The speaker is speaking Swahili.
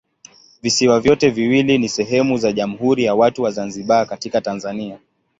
Visiwa vyote viwili ni sehemu za Jamhuri ya Watu wa Zanzibar katika Tanzania.